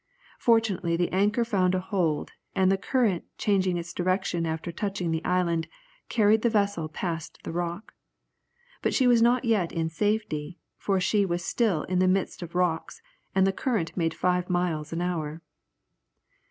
Fortunately the anchor found a hold, and the current changing its direction after touching the island, carried the vessel past the rock. But she was not yet in safety, for she was still in the midst of rocks, and the current made five miles an hour.